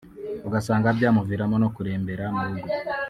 ugasanga byamuviramo no kurembera mu rugo